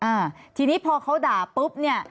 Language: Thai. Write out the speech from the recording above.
อ่าทีนี้พอเขาด่าปุ๊บเนี่ย